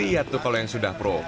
lihat tuh kalau yang sudah pro